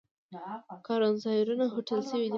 کاروانسرایونه هوټل شوي دي.